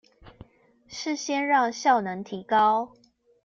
是先讓效能提高